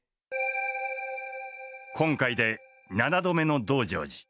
今回で７度目の「道成寺」。